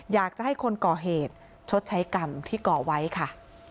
อยากจะให้คนก่อเหตุชดใช้กรรมที่ก่อไว้ค่ะ